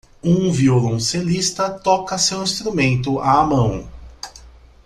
Um violoncelista toca seu instrumento à mão.